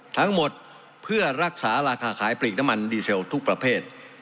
ทั้งหมดเพื่อรักษาราคาขายปลีกน้ำมันดีเซลทุกประเภท